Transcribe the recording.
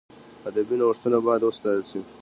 ادبي نوښتونه باید وستایل سي.